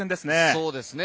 そうですね。